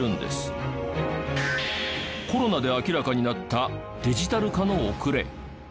コロナで明らかになったデジタル化の遅れ。